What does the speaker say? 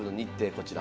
こちら。